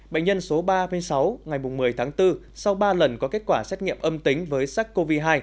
bệnh nhân số ba mươi sáu ngày một mươi tháng bốn sau ba lần có kết quả xét nghiệm âm tính với sars cov hai